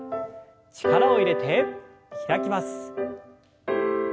力を入れて開きます。